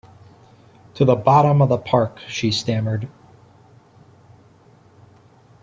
‘To the bottom of the park,’ she stammered.